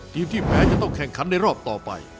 ที่แพ้จะต้องแข่งขันในรอบต่อไป